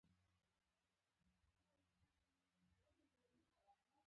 لومړی برخه د برق تولید او د برق ویش دی.